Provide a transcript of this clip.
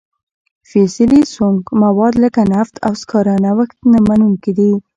فسیلي سونګ مواد لکه نفت او سکاره نوښت نه منونکي دي.